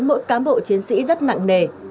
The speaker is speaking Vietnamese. mỗi cám bộ chiến sĩ rất nặng nề